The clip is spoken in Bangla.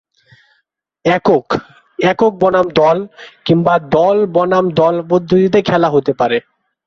একক, একক বনাম দল, কিংবা দল বনাম দল পদ্ধতিতে খেলা হতে পারে।